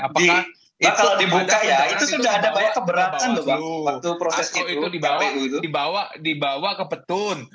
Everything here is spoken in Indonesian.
apakah itu dibawa ke petun